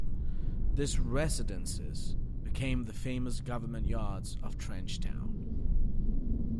These residences became the famous Government Yards of Trench Town.